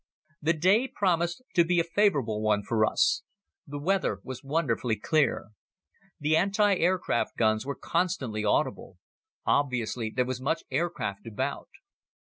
The day promised to be a favorable one for us. The weather was wonderfully clear. The anti aircraft guns were constantly audible. Obviously, there was much aircraft about.